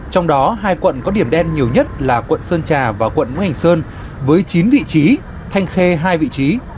trong đó hai quận có điểm đen nhiều nhất là quận sơn trà và quận ngũ hành sơn với chín vị trí thanh khê hai vị trí